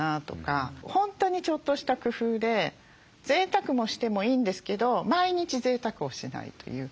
本当にちょっとした工夫でぜいたくもしてもいいんですけど毎日ぜいたくをしないという。